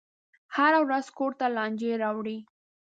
هره ورځ کور ته لانجې راوړي.